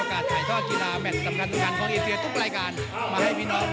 ก็ต้องขอบคุณรายรัฐและก็ให้ติดตาม